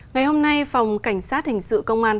ngày hôm nay phòng cảnh sát hình sự công an